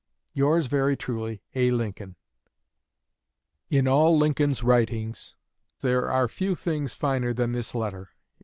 Yours very truly, A. LINCOLN. In all Lincoln's writings there are few things finer than this letter.